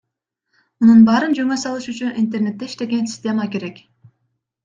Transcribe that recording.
Мунун баарын жөнгө салыш үчүн интернетте иштеген система керек.